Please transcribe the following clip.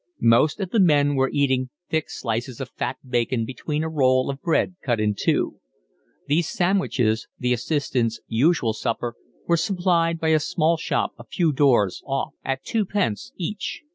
Most of the men were eating thick slices of fat bacon between a roll of bread cut in two. These sandwiches, the assistants' usual supper, were supplied by a small shop a few doors off at twopence each.